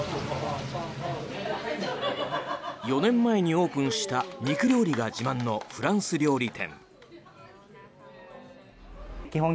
４年前にオープンした肉料理が自慢のフランス料理店。